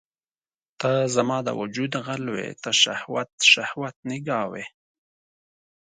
ته زما د وجود غل وې ته شهوت، شهوت نګاه وي